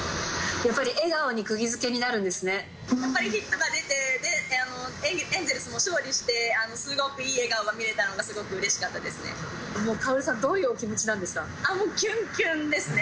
やっぱり笑顔にくぎづけになやっぱりヒットが出て、エンゼルスも勝利して、すごくいい笑顔が見れたのがすごくうれしカオルさん、どういうお気持ちなんですか。